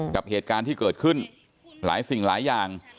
กับเหตุการณ์ที่เกิดขึ้นหลายสิ่งหลายอย่าง